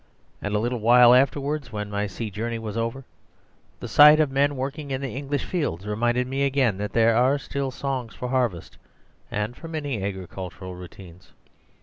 And a little while afterwards, when my sea journey was over, the sight of men working in the English fields reminded me again that there are still songs for harvest and for many agricultural routines.